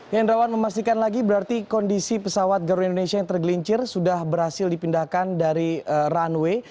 hendrawan memastikan lagi berarti kondisi pesawat garuda indonesia yang tergelincir sudah berhasil dipindahkan dari runway